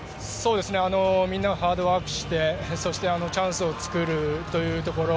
みんな、ハードワークしてそして、チャンスを作るというところ。